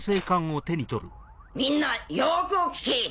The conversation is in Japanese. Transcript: みんなよくお聞き！